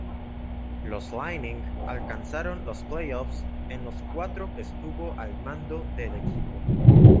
Los Lightning alcanzaron los playoffs en los cuatro que estuvo al mando del equipo.